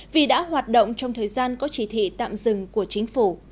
vì đã hoạt động trong thời gian có chỉ thị tạm dừng của chính phủ